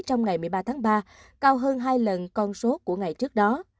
trong ngày một mươi ba tháng ba cao hơn hai lần con số của ngày trước đó